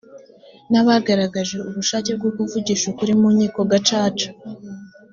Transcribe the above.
n abagaragaje ubushake bwo kuvugisha ukuri mu nkiko gacaca